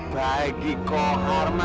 bagi kau hormat